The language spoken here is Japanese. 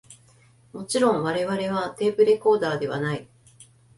もちろん我々はテープレコーダーではない